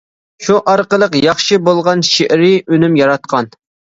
شۇ ئارقىلىق ياخشى بولغان شېئىرىي ئۈنۈم ياراتقان.